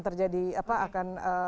terjadi apa akan